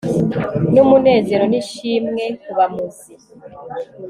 n'umunezero n'ishimwe kubamuzi